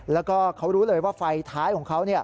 แล้วก็เขารู้เลยว่าไฟท้ายของเขา